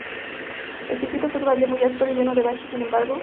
El circuito era todavía muy áspero y lleno de baches, sin embargo.